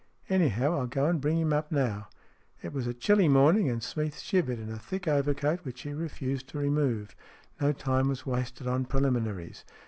Anyhow, I'll go and bring him up now." It was a chilly morning, and Smeath shivered in a thick overcoat, which he refused to remove. No time was wasted on preliminaries.